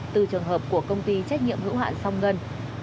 từ trường hợp của công ty trách nhiệm hữu hạn song ngân